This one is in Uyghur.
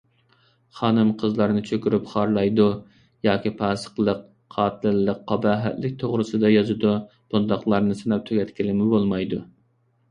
خانىم - قىزلارنى چۆكۈرۈپ خارلايدۇ ياكى پاسىقلىق، قاتىللىق، قاباھەتلىك توغرىسىدا يازىدۇ، بۇنداقلارنى ساناپ تۈگەتكىلىمۇ بولمايدۇ.